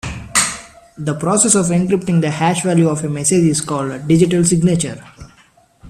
The process of encrypting the hash value of a message is called digital signature.